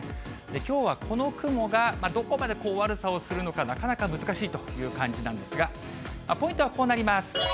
きょうはこの雲がどこまで悪さをするのか、なかなか難しいという感じなんですが、ポイントはこうなります。